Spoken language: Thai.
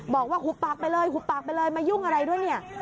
บอกว่าหุบปากไปเลยหุบปากไปเลยมายุ่งอะไรด้วย